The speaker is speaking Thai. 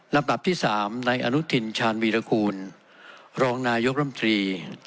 ลำดับที่๓ในอนุทินชาญวีรกูลรองนายกรรมตรี